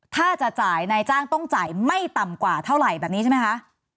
ถ้าจะจ่ายนายจ้างต้องจ่ายไม่ต่ำกว่าเท่าไหร่แบบนี้ใช่ไหมคะ